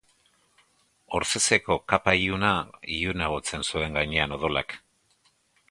Orthezeko kapa iluna ilunagotzen zuen gainean odolak.